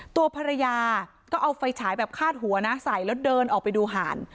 ตัวภรรยาก็เอาไฟฉายแบบคาดหัวนะใส่แล้วเดินออกไปดูหาน